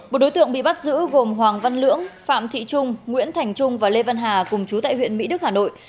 bộ đối tượng bị bắt giữ gồm hoàng văn lưỡng phạm thị trung nguyễn thành trung và lê văn hà cùng chú tại huyện mỹ đức hà nội